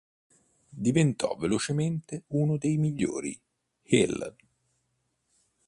Diventò velocemente uno dei migliori heel.